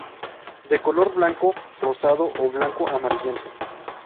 De color blanco, rosado o blanco-amarillento.